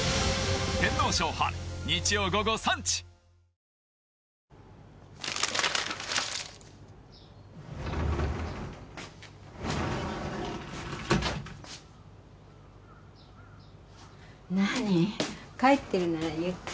何帰ってるなら言ってよ。